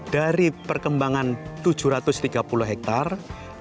dari perkembangan tujuh ratus tiga puluh hektare